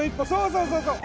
そうそうそう！